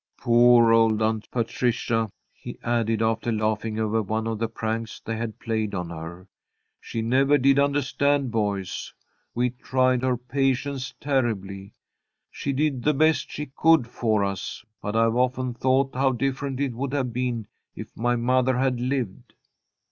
"Poor old Aunt Patricia," he added, after laughing over one of the pranks they had played on her. "She never did understand boys. We tried her patience terribly. She did the best she could for us, but I've often thought how different it would have been if my mother had lived.